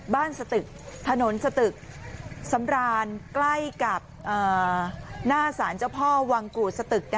สตึกถนนสตึกสำรานใกล้กับหน้าสารเจ้าพ่อวังกูดสตึก